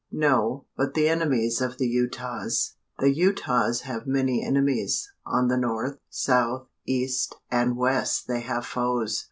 "No; but the enemies of the Utahs." "The Utahs have many enemies on the north, south, east, and west they have foes.